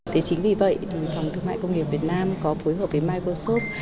thế chính vì vậy thương mại công nghiệp việt nam có phối hợp với microsoft